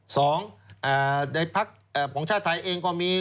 สองในภาคหวังชาติไทยเองก็มี